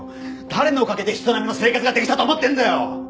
誰のおかげで人並みの生活ができたと思ってんだよ！